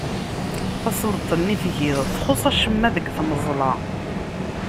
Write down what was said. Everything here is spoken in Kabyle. Tasleḍt-nni tgiḍ txuṣṣ acemma deg tmeẓla.